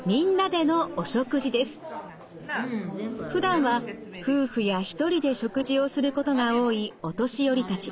頂きます。ふだんは夫婦や一人で食事をすることが多いお年寄りたち。